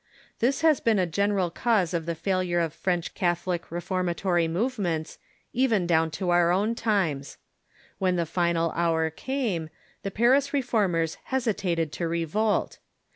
This has been a general cause of the failure of French Catholic reform atory movements, even down to our own times. When the final hour came, the Paris Reformers hesitated to revolt.